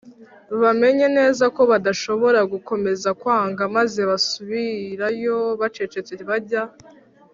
bamenye neza ko badashobora gukomeza kwanga, maze basubirayo bacecetse bajya